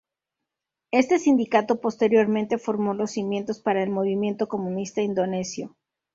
Este sindicato posteriormente formó los cimientos para el movimiento comunista indonesio.